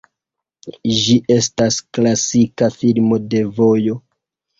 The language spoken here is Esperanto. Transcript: Ĝi estas klasika filmo de vojo.